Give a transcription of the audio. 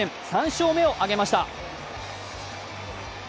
３勝目を挙げました。